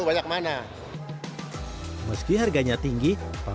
beberapa tahun sebarang mobil berada di onesthis ro visits